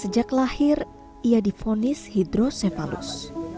sejak lahir ia difonis hidrosefalus